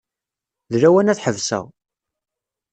D lawan ad ḥebseɣ.